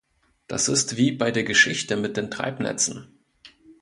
Das ist wie bei der Geschichte mit den Treibnetzen.